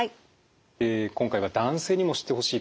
今回は「男性にも知ってほしい！